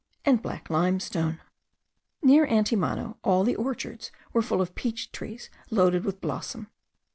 and black limestone. Near Antimano all the orchards were full of peach trees loaded with blossom.